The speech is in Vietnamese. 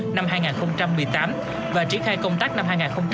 năm hai nghìn một mươi tám và triển khai công tác năm hai nghìn một mươi chín